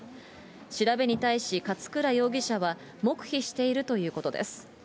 調べに対し、勝倉容疑者は、黙秘しているということです。